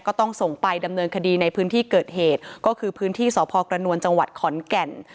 ก็ต้องส่งไปดำเนินคดีในพื้นที่เกิดเหตุก็คือพื้นที่สพกจขแก่น